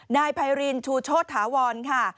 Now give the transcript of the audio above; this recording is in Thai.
นายไพรินชูโชธาวรค่ะ